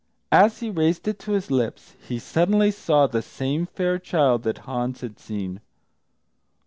As he raised it to his lips, he suddenly saw the same fair child that Hans had seen.